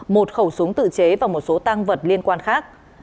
một khẩu súng tự chế và một số tăng vật liên quan khác